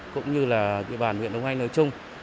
cũng như là địa bàn nguyễn đồng anh nói chung